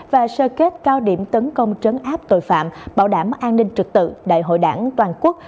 và sơ kết cao điểm tấn công trấn áp tội phạm bảo đảm an ninh trực tự đại hội đảng toàn quốc